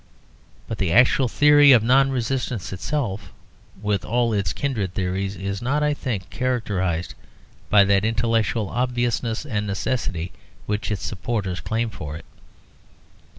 But the actual theory of non resistance itself, with all its kindred theories, is not, I think, characterised by that intellectual obviousness and necessity which its supporters claim for it.